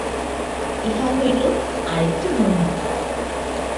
ইহা হইল আর একটি মূলমন্ত্র।